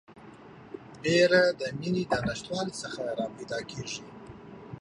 بیره د میني د نشتوالي څخه راپیدا کیږي